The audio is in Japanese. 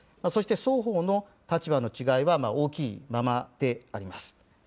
そして双方の立場の違いは大きいままであります。